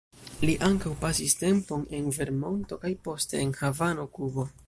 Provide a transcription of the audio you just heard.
Li ankaŭ pasis tempon en Vermonto kaj poste en Havano, Kubo.